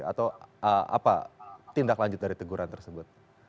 atau apa tindak lanjut dari teguran tersebut